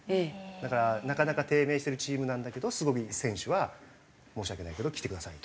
だからなかなか低迷しているチームなんだけどすごい選手は申し訳ないけど来てください。